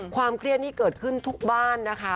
ความเครียดนี่เกิดขึ้นทุกบ้านนะคะ